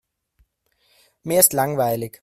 Mir ist langweilig.